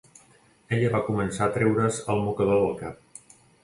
Ella va començar a treure's el mocador del cap